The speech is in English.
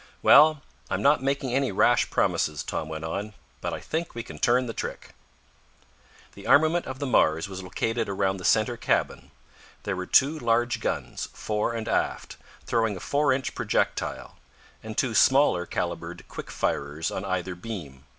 "Well, I'm not making any rash promises," Tom went on, "but I think we can turn the trick." The armament of the Mars was located around the center cabin. There were two large guns, fore and aft, throwing a four inch projectile, and two smaller calibered quick firers on either beam.